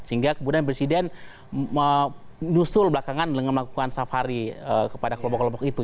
sehingga kemudian presiden menyusul belakangan dengan melakukan safari kepada kelompok kelompok itu